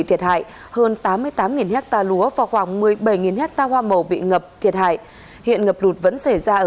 chết hơn tám mươi tám ha lúa và khoảng một mươi bảy ha hoa màu bị ngập thiệt hại hiện ngập lụt vẫn xảy ra ở